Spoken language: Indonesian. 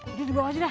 udah di bawah aja dah